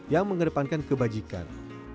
yang mengedepankan kebajikan